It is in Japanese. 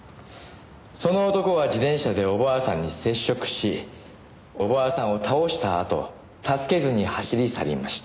「その男は自転車でお婆さんに接触しお婆さんを倒したあと助けずに走り去りました」